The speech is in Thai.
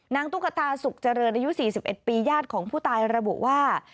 ตุ๊กตาสุขเจริญอายุ๔๑ปีญาติของผู้ตายระบุว่า